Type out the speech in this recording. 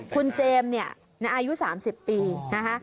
คุณเจมส์เนี่ยอายุ๓๐ปีนะคะ